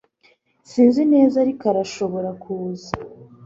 sinzi neza ariko arashobora kuza